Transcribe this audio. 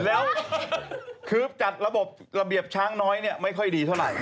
แล้วคือจัดระบบระเบียบช้างน้อยเนี่ยไม่ค่อยดีเท่าไหร่